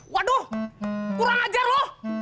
waduh kurang ajar lu